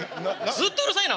ずっとうるさいな！